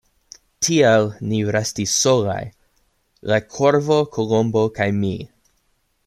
Tiel ni restis solaj — la Korvo, Kolombo kaj mi.